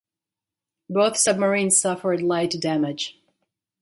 Both submarines suffered light damage.